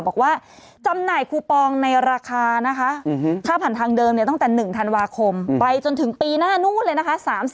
บอกว่าจำหน่ายคูปองในราคานะคะค่าผ่านทางเดิมตั้งแต่๑ธันวาคมไปจนถึงปีหน้านู้นเลยนะคะ